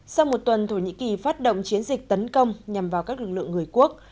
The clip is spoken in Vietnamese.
sau một tuần thổ nhĩ kỳ phát động chiến dịch tấn công nhằm vào các lực lượng người quốc